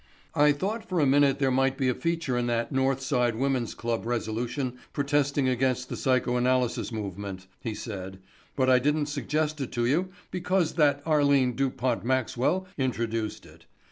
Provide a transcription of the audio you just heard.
"I thought for a minute there might be a feature in that North Side Woman's Club resolution protesting against the psycho analysis movement," he said, "but I didn't suggest it to you because that Arline Dupont Maxwell introduced it.